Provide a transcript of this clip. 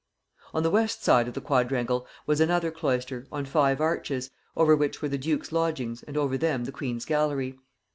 On the west side of the quadrangle was another cloister, on five arches, over which were the duke's lodgings and over them the queen's gallery.